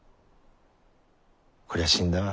こりゃ死んだわ。